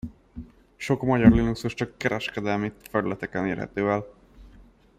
Sok magyar Linuxos csak kereskedelmi felületeken érhető el.